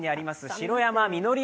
城山みのり